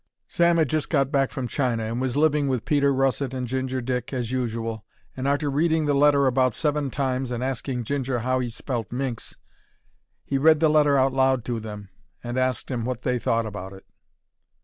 Sam 'ad just got back from China and was living with Peter Russet and Ginger Dick as usual, and arter reading the letter about seven times and asking Ginger how 'e spelt "minx," 'e read the letter out loud to them and asked 'em what they thought about it.